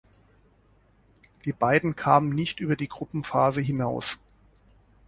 Die beiden kamen nicht über die Gruppenphase hinaus.